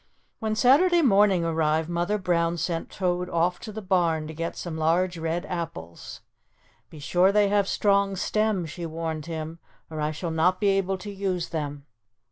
When Saturday morning arrived, Mother Brown sent Toad off to the barn to get some large red apples. "Be sure they have strong stems," she warned him, "or I shall not be able to use them."